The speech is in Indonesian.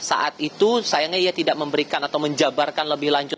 saat itu sayangnya ia tidak memberikan atau menjabarkan lebih lanjut